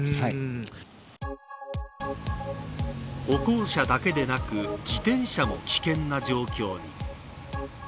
歩行者だけでなく自転車も危険な状況。